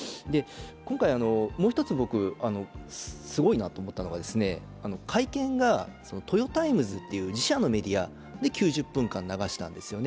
今回、もう一つ、僕、すごいなと思ったのが、会見が「トヨタイムズ」という自社のメディア、９０分間流したんですよね。